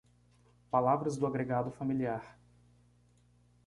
Palavras do agregado familiar